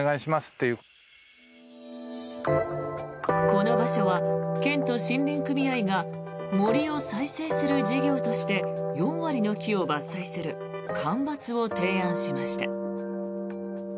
この場所は県と森林組合が森を再生する事業として４割の木を伐採する間伐を提案しました。